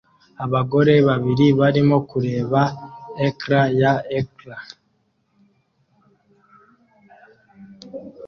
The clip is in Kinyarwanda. Abagore babiri barimo kureba ecran ya ecran